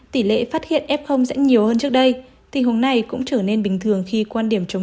tỷ lệ phát hiện f dễ nhiều hơn trước đây thì hôm nay cũng trở nên bình thường khi quan điểm chống